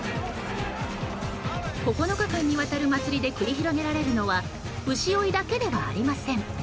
９日間にわたる祭りで繰り広げられるのは牛追いだけではありません。